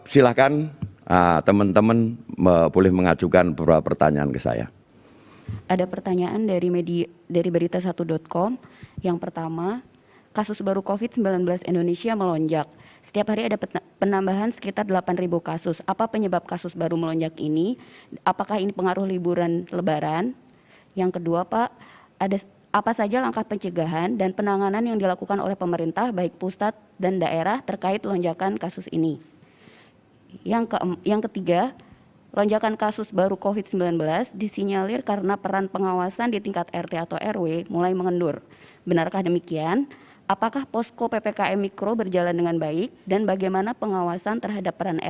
silahkan teman teman boleh mengajukan beberapa pertanyaan keseluruhan